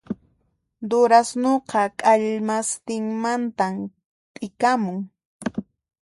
Durasnuqa k'allmastinmantan t'ikamun